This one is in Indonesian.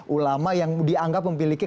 ulama yang dianggap memiliki